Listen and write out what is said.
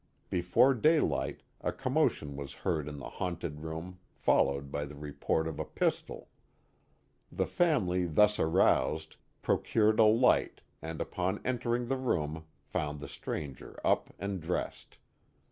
Before daylight a commotion was heard in the haunted room followed by the report of a pistol. The family thus aroused procured a light and upon enter ing the room found the stranger up and dressed.